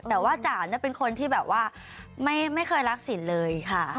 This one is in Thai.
แต่ว่าจ๋าเป็นคนที่แบบว่าไม่เคยรักศิลป์เลยค่ะ